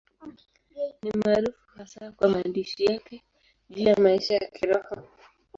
Ni maarufu hasa kwa maandishi yake juu ya maisha ya Kiroho.